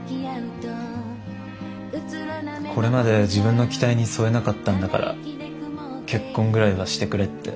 これまで自分の期待に添えなかったんだから結婚ぐらいはしてくれって。